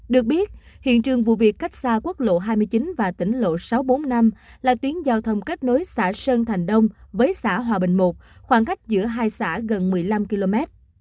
được biết hiện trường vụ việc cách xa quốc lộ hai mươi chín và tỉnh lộ sáu trăm bốn mươi năm là tuyến giao thông kết nối xã sơn thành đông với xã hòa bình một khoảng cách giữa hai xã gần một mươi năm km